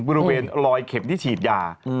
บริเวณลอยเข็มที่ฉีดยา